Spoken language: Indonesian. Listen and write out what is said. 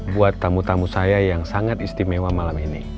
buat tamu tamu saya yang sangat istimewa malam ini